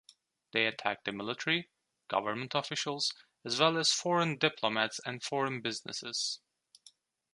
They attacked the military, government officials, as well as foreign diplomats and foreign businesses.